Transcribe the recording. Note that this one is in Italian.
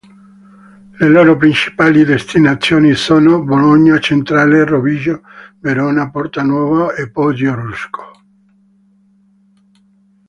Le loro principali destinazioni sono: Bologna Centrale, Rovigo, Verona Porta Nuova e Poggio Rusco.